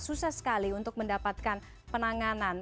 susah sekali untuk mendapatkan penanganan